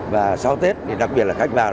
và sau tết thì đặc biệt là khách vào